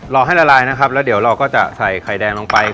รอให้ละลายนะครับแล้วเดี๋ยวเราก็จะใส่ไข่แดงลงไป